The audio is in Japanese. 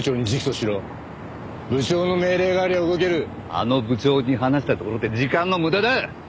あの部長に話したところで時間の無駄だ！